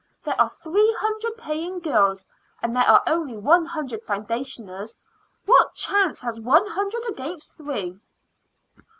There are three hundred paying girls, and there are one hundred foundationers. What chance has one hundred against three?"